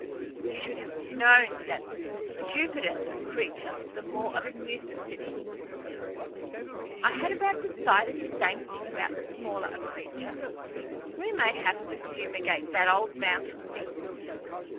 We should have known that the stupider a creature, the more of a nuisance it is." "I had about decided the same thing about the smaller a creature. We may have to fumigate that old mountain mess."